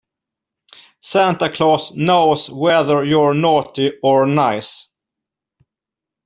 Santa Claus knows whether you're naughty or nice.